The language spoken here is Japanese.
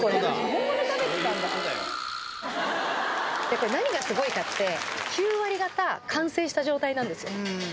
これ何がすごいかってした状態なんですよ